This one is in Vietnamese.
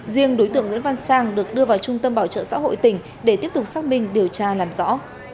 riêng đối tượng nguyễn văn sang được đưa vào trung tâm bảo trợ xã hội tỉnh để tiếp tục xác minh điều tra làm rõ